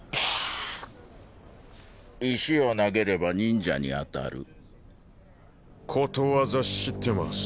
石を投げれば忍者に当たることわざ知ってます